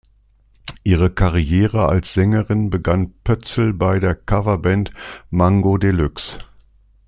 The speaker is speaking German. Ihre Karriere als Sängerin begann Pötzl bei der Cover-Band "Mango Deluxe".